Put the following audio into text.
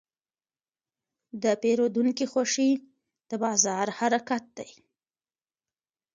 د پیرودونکي خوښي د بازار حرکت دی.